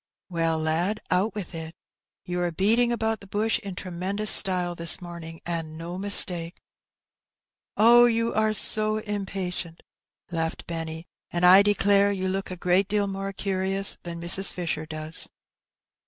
" Well, lad, out with it : you are beating about the bush in tremendous style this morning, and no mistake." *' Oh, you are so impatient !" laughed Benny ;'' and I declare you look a great deal more curious than Mrs. Fisher does."